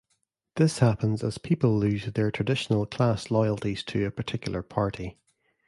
This happens as people lose their traditional class loyalties to a particular party.